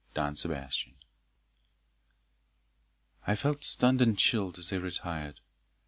Don Sebastian. I felt stunned and chilled as they retired.